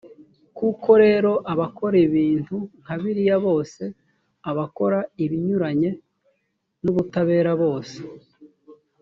koko rero abakora ibintu nka biriya bose, abakora ibinyuranye n’ubutabera bose,